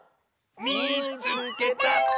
「みいつけた！」。